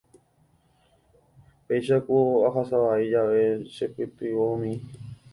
Péicha ku ahasavai jave chepytyvõmi.